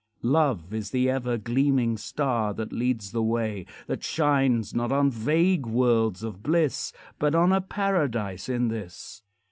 Love is the ever gleaming star That leads the way, That shines, not on vague worlds of bliss, But on a paradise in this.